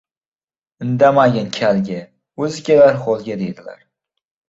— Indamagin kalga — o‘zi kelar holga, deydilar.